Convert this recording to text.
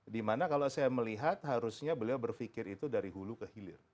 dimana kalau saya melihat harusnya beliau berpikir itu dari hulu ke hilir